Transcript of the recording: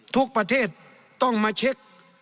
ทุกประเทศต้องมาเช็ค